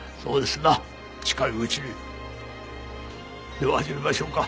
では始めましょうか。